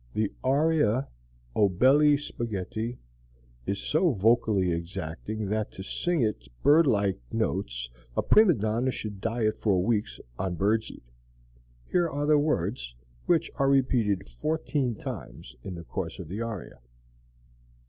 The aria, "O belli spaghetti," is so vocally exacting that to sing its bird like notes a prima donna should diet for weeks on bird seed. Here are the words which are repeated fourteen times in the course of the aria.